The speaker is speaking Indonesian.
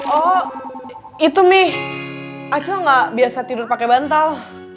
oh itu mi acil gak biasa tidur pake bantal